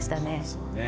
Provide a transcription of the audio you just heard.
そうね。